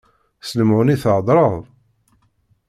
S lemɛun i theddreḍ?